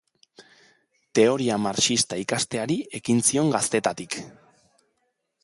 Teoria marxista ikasteari ekin zion gaztetatik.